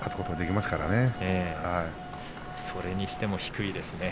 それにしても低いですね。